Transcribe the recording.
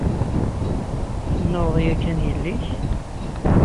Tennuɣeḍ yakan yelli-k?